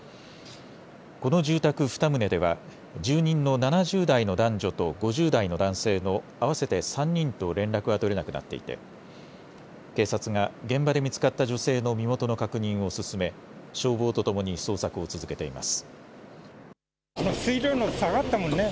この住宅２棟では、住人の７０代の男女と５０代の男性の合わせて３人と連絡が取れなくなっていて、警察が現場で見つかった女性の身元の確認を進め、消防と共に捜索を続けています。